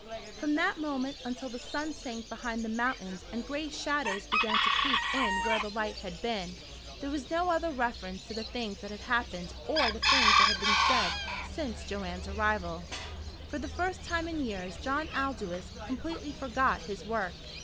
From that moment until the sun sank behind the mountains and gray shadows began to creep in where the light had been, there was no other reference to the things that had happened or the things that had been said since Joanne's arrival. For the first time in years John Aldous completely forgot his work.